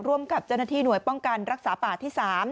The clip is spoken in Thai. ร่วมกับเจ้าหน้าที่หน่วยป้องกันรักษาป่าที่๓